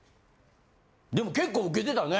でも結構ウケてたね。